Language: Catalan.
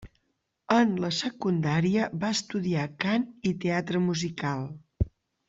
En la secundària va estudiar cant i teatre musical.